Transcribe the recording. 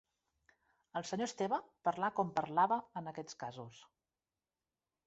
El senyor Esteve parlà com parlava en aquests casos